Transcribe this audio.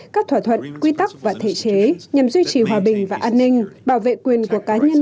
các thỏa thuận quy tắc và thể chế nhằm duy trì hòa bình và an ninh bảo vệ quyền của cá nhân